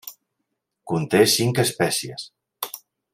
Conté cinc espècies.